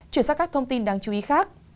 chuyển sang các thông tin đáng chú ý khác